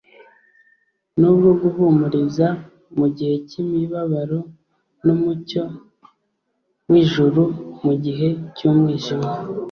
n'ubwo guhumuriza mu gihe cy'imibabaro, n'umucyo w'ijuru mu gihe cy'umwijima.